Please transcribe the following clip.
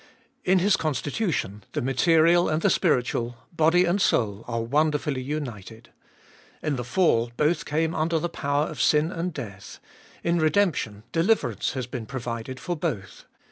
In his constitution, the material and the spiritual, body and soul, are wonderfully united. In the fall both came under the power of sin and death ; in redemption deliverance has been provided for both.